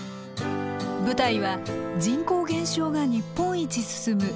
舞台は人口減少が日本一進む秋田県。